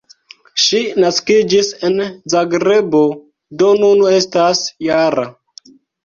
Ŝi naskiĝis en Zagrebo, do nun estas -jara.